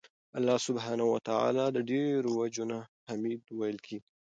الله سبحانه وتعالی ته د ډيرو وَجُو نه حــمید ویل کیږي